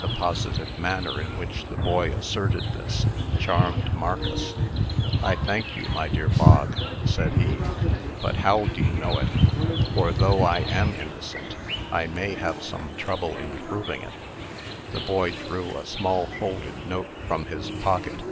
The positive manner in which the boy asserted this, charmed Marcus, "I thank you, my dear Bog," said he; "but how do you know it? For, though I am innocent, I may have some trouble in proving it." The boy drew a small folded note from his pocket.